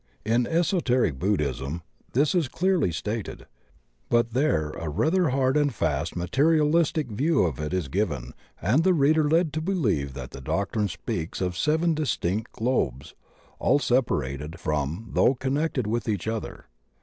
In Esoteric Buddhism this is clearly stated, but there a rather hard and fast materialistic view of it is given and the reader led to believe that the doctrine speaks of seven distinct globes, all sepa rated from though connected with each other.